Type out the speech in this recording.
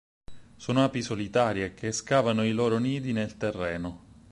Sono api solitarie, che scavano i loro nidi nel terreno.